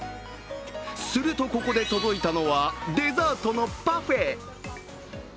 すると、ここで届いたのはデザートのパフェ。